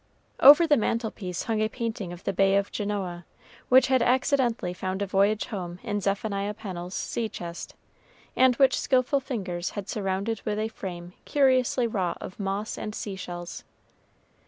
Over the mantelpiece hung a painting of the Bay of Genoa, which had accidentally found a voyage home in Zephaniah Pennel's sea chest, and which skillful fingers had surrounded with a frame curiously wrought of moss and sea shells.